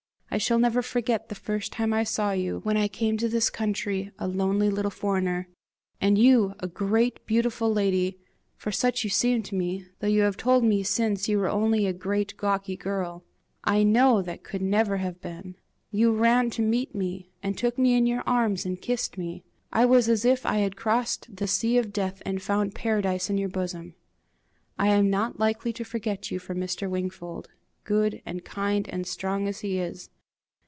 I shall never forget the first time I saw you when I came to this country a lonely little foreigner, and you, a great beautiful lady, for such you seemed to me, though you have told me since you were only a great gawky girl I know that could never have been you ran to meet me, and took me in your arms, and kissed me. I was as if I had crossed the sea of death and found paradise in your bosom! I am not likely to forget you for Mr. Wingfold, good and kind and strong as he is!